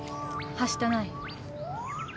はしたない。